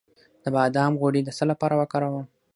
د بادام غوړي د څه لپاره وکاروم؟